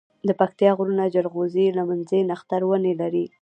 دپکتيا غرونه جلغوزي، لمنځی، نښتر ونی لری